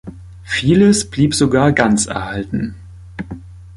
Vieles blieb sogar ganz erhalten.